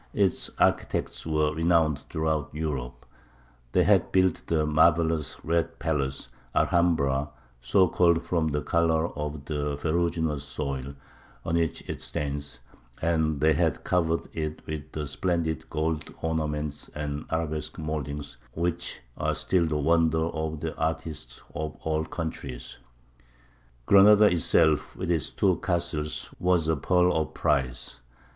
Its architects were renowned throughout Europe; they had built the marvellous "Red Palace," Alhambra, so called from the colour of the ferruginous soil on which it stands, and they had covered it with the splendid gold ornament and Arabesque mouldings which are still the wonder of artists of all countries. Granada itself, with its two castles, was a pearl of price.